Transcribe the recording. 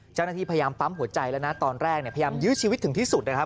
เจ้าหน้าที่พยายามปั๊มหัวใจแล้วนะตอนแรกพยายามยื้อชีวิตถึงที่สุดนะครับ